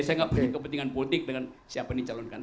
saya tidak punya kepentingan politik dengan siapa dicalonkan